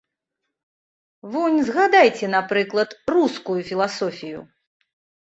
Вунь згадайце, напрыклад, рускую філасофію.